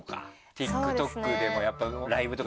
ＴｉｋＴｏｋでもやっぱライブとかやってても。